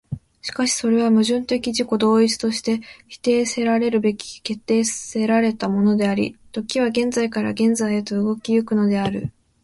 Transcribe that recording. しかしそれは矛盾的自己同一として否定せられるべく決定せられたものであり、時は現在から現在へと動き行くのである。